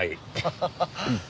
ハハハッ。